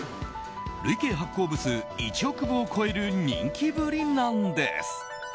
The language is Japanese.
累計発行部数１億部を超える人気ぶりなんです。